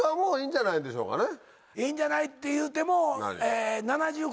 「いいんじゃない？」って言うても。